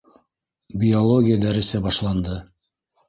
Биология дәресе башланды.